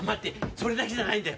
それだけじゃないんだよ。